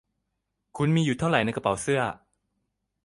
คุณมีอยู่เท่าไรในกระเป๋าเสื้อ